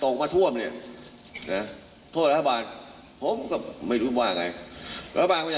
ไงคะคือถ้ารู้มันด่าในทุกเรื่องน่ะ